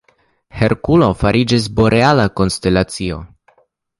Herkulo fariĝis boreala konstelacio.